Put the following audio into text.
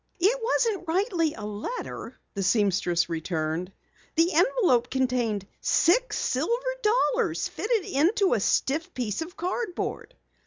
"It wasn't rightly a letter," the seamstress returned. "The envelope contained six silver dollars fitted into a stiff piece of cardboard."